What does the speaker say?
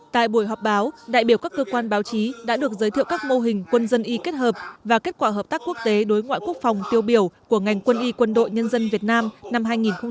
tại buổi họp báo đại biểu các cơ quan báo chí đã được giới thiệu các mô hình quân dân y kết hợp và kết quả hợp tác quốc tế đối ngoại quốc phòng tiêu biểu của ngành quân y quân đội nhân dân việt nam năm hai nghìn một mươi tám